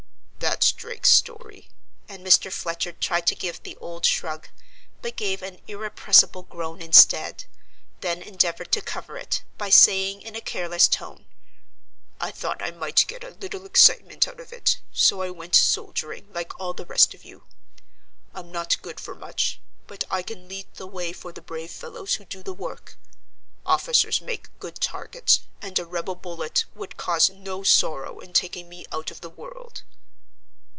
'" "That's Drake's story," and Mr. Fletcher tried to give the old shrug, but gave an irrepressible groan instead, then endeavored to cover it, by saying in a careless tone, "I thought I might get a little excitement out of it, so I went soldiering like all the rest of you. I'm not good for much, but I can lead the way for the brave fellows who do the work. Officers make good targets, and a rebel bullet would cause no sorrow in taking me out of the world."